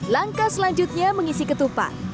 langkah selanjutnya mengisi ketupat